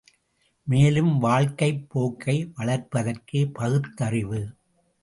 மேலும் வாழ்க்கைப் போக்கை வளர்ப்பதற்கே பகுத்தறிவு.